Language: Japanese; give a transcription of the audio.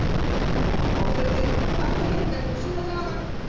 もうそれにね今この件に関して不審な電話が。